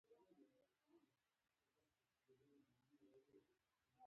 هغه یې د فساد او بې عدالتۍ څخه د ژغورلو په نوم وکړ.